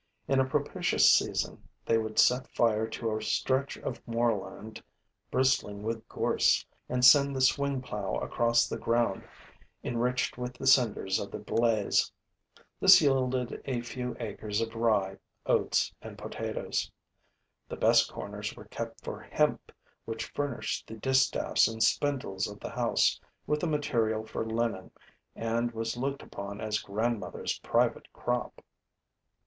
In a propitious season, they would set fire to a stretch of moorland bristling with gorse and send the swing plow across the ground enriched with the cinders of the blaze. This yielded a few acres of rye, oats and potatoes. The best corners were kept for hemp, which furnished the distaffs and spindles of the house with the material for linen and was looked upon as grandmother's private crop.